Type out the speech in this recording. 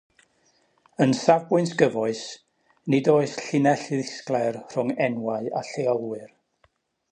Yn safbwynt gyfoes, nid oes llinell ddisglair rhwng "enwau" a "lleolwyr".